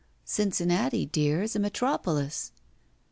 Cincinnati, dear, is a metropolis."